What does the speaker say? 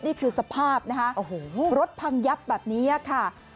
นี่คือสภาพนะคะโอ้โหรถพังยับแบบนี้ค่ะ